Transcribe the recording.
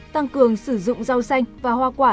tăng cường sử dụng rau xanh và hoa quả